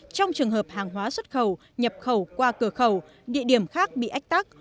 trong trường hợp hàng hóa xuất khẩu nhập khẩu qua cửa khẩu địa điểm khác bị ách tắc